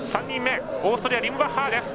３人目、オーストリアリムバッハー。